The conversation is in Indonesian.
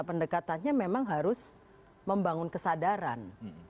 pendekatannya memang harus membangun kesadaran